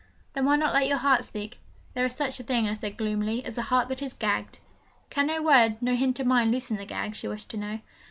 'Then why not let your heart speak?' 'There is such a thing,' I said gloomily, 'as a heart that is gagged.' 'Can no word, no hint of mine loosen the gag?' she wished to know.